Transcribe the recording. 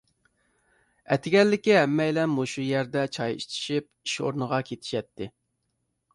ئەتىگەنلىكى ھەممەيلەن مۇشۇ يەردە چاي ئىچىشىپ ئىش ئورنىغا كېتىشەتتى.